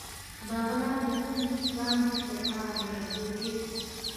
بغلان د کوم کان لپاره مشهور دی؟